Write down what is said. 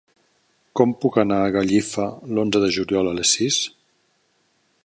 Com puc anar a Gallifa l'onze de juliol a les sis?